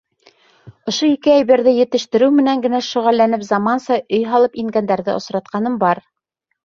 Ошо ике әйберҙе етештереү менән генә шөғөлләнеп заманса өй һалып ингәндәрҙе осратҡаным бар.